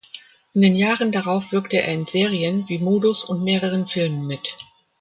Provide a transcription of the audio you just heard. In den Jahren darauf wirkte er in Serien wie "Modus" und mehreren Filmen mit.